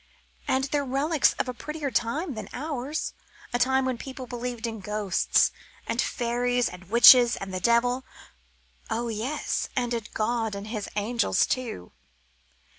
And they're relics of a prettier time than ours, a time when people believed in ghosts and fairies and witches and the devil oh, yes! and in God and His angels, too.